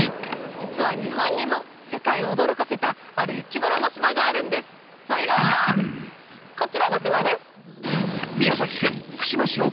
実は日本にも世界を驚かせたある生き物の島があるんですそれがこちらの島です！